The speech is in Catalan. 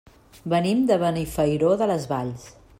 Venim de Benifairó de les Valls.